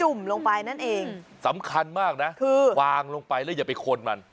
ุ่มลงไปนั่นเองสำคัญมากนะคือวางลงไปแล้วอย่าไปคนมัน